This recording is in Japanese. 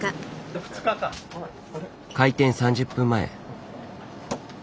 開店３０分前。